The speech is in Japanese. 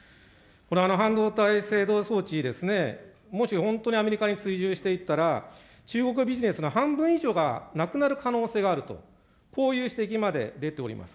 半導体製造装置ですね、もし本当にアメリカに追従していったら、中国ビジネスの半分以上がなくなる可能性があると、こういう指摘まで出ております。